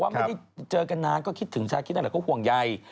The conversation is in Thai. เขาบอกว่าไม่ได้เจอกันนานก็คิดถึงชาคิตนะเขาห่วงใย